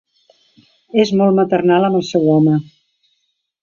És molt maternal amb el seu home.